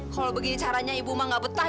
kalau begini caranya ibu mah gak betah